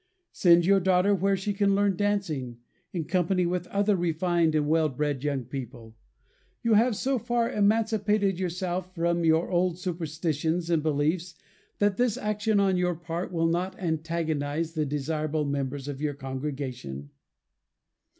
Send your daughter where she can learn dancing, in company with other refined and well bred young people. You have so far emancipated yourself from your old superstitions and beliefs that this action on your part will not antagonize the desirable members of your congregation.